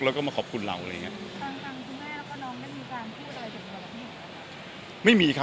แล้วก็มาขอบคุณเรา